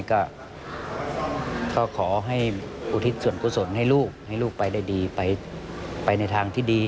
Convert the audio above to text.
ก็ขอให้อุทิศส่วนกุศลให้ลูกให้ลูกไปได้ดีไปในทางที่ดี